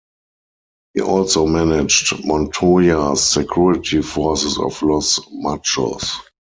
He also managed Montoya's security forces of Los Machos.